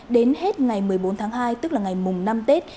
đến hết ngày một mươi bốn tháng hai tức là ngày mùng năm tết